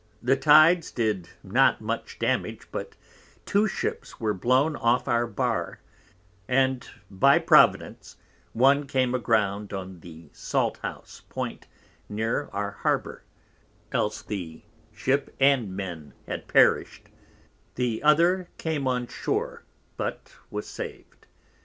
The Tydes did not much damage, but two Ships were blown off our Bar, and by Providence one came aground on the Salt House point near our Harbour, else the Ship and Men had perished; the other came on shore, but was saved.